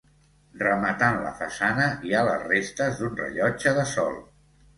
Rematant la façana hi ha les restes d'un rellotge de sol.